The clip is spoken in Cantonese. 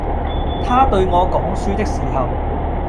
他對我講書的時候，